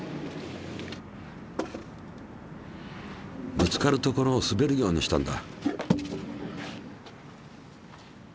ぶつかるところをすべるようにしたんだ。